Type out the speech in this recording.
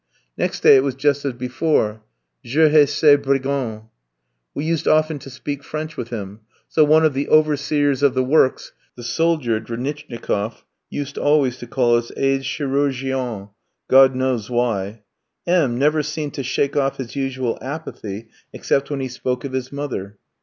Next day it was just as before: "je hais ces brigands." (We used often to speak French with him; so one of the overseers of the works, the soldier, Dranichnikof, used always to call us aides chirurgiens, God knows why!) M tski never seemed to shake off his usual apathy except when he spoke of his mother.